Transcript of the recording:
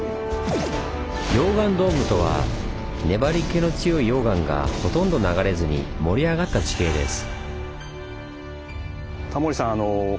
溶岩ドームとは粘りけの強い溶岩がほとんど流れずに盛り上がった地形です。